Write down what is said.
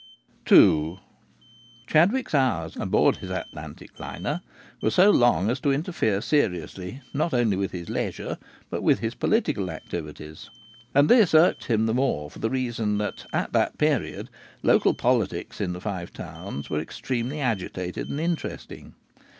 II Chadwick's hours aboard his Atlantic liner were so long as to interfere seriously, not only with his leisure, but with his political activities. And this irked him the more for the reason that at that period local politics in the Five Towns were extremely agitated and interesting.